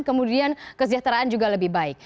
kemudian kesejahteraan juga lebih baik